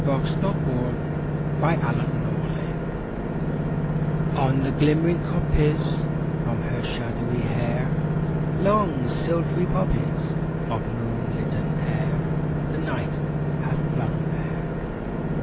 THE DANCE OF THE FAIRIES On the glimmering coppice, From her shadowy hair, Long, silvery poppies Of moon litten air The Night hath flung there.